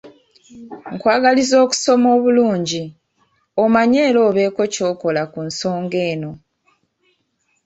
Nkwagaliza okusoma obulungi, omanye era obeeko ky’okola ku nsonga eno!